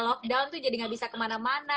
lockdown tuh jadi gak bisa kemana mana